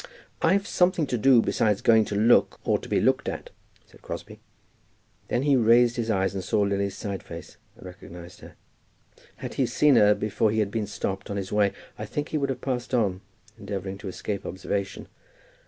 "I've something to do besides going to look or to be looked at," said Crosbie. Then he raised his eyes and saw Lily's side face, and recognized her. Had he seen her before he had been stopped on his way I think he would have passed on, endeavouring to escape observation.